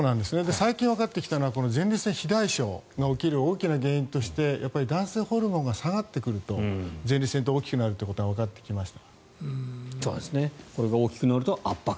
最近わかってきたのは前立腺肥大症が起きる大きな原因として男性ホルモンが下がってくると前立腺って大きくなるということがわかってきました。